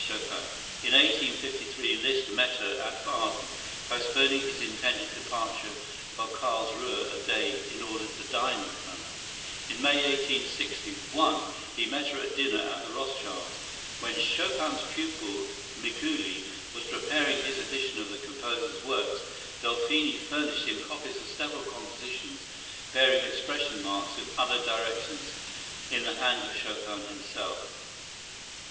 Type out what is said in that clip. From the painting by Barrias.] How long did Delphine survive Chopin? In 1853 Liszt met her at Baden, postponing his intended departure for Carlsruhe a day in order to dine with her. In May, 1861, he met her at dinner at the Rothschilds'. When Chopin's pupil, Mikuli, was preparing his edition of the composer's works, Delphine furnished him copies of several compositions bearing expression marks and other directions in the hand of Chopin himself.